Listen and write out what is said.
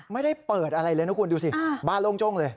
ไม่ได้เปิดอะไรเลยนะคุณดูสิบ้านโล่งจ้งเลย